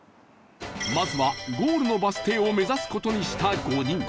まずはゴールのバス停を目指す事にした５人